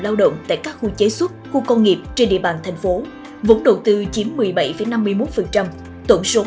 lao động tại các khu chế xuất khu công nghiệp trên địa bàn thành phố vốn đầu tư chiếm một mươi bảy năm mươi một tổng số